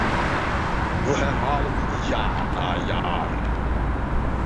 We herhalen dit jaar na jaar.